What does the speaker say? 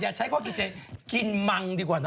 อย่าใช้ข้อกิจเจ๊กินมังดีกว่าเนอะ